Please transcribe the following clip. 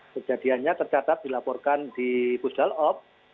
kejadiannya tercatat dilaporkan di pusdal op